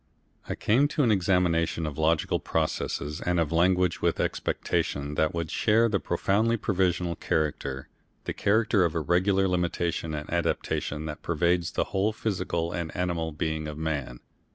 I came to an examination of logical processes and of language with the expectation that they would share the profoundly provisional character, the character of irregular limitation and adaptation that pervades the whole physical and animal being of man.